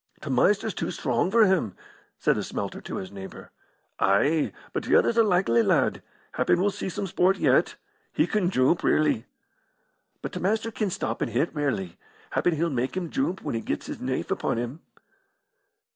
"T' Maister's too strong for him," said a smelter to his neighbour. "Ay; but t'other's a likely lad. Happen we'll see some sport yet. He can joomp rarely." "But t' Maister can stop and hit rarely. Happen he'll mak' him joomp when he gets his nief upon him."